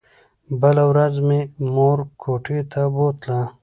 بله ورځ مې مور کوټې ته بوتله.